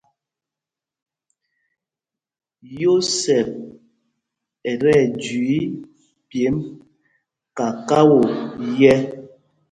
Yósɛp ɛ́ tí ɛjüii pyêmb kakao yɛ̄.